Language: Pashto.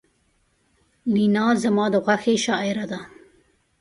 لینا زما د خوښې شاعره ده